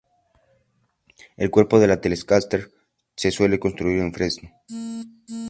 El cuerpo de la Telecaster se suele construir en fresno.